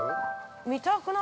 ◆見たくない？